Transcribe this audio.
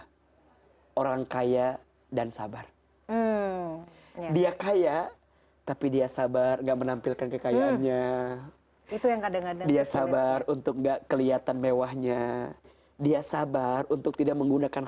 orang kaya dan sabar dia kaya tapi dia sabar enggak menampilkan kekayaannya itu yang kadang kadang dia sabar untuk enggak kelihatan mewahnya dia sabar untuk tidak menggunakan